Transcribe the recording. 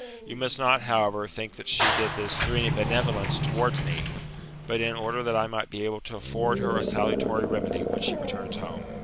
You must not, however, think that she did this through any benevolence towards me, but in order that I might be able to afford her a salutary remedy when she returns home.